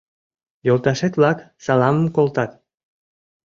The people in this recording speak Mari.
Йолташет-влак саламым колтат.